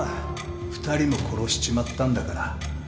２人も殺しちまったんだから。